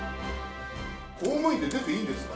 公務員で、出ていいんですか？